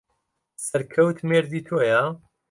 سەرکەوت مێردی تۆیە؟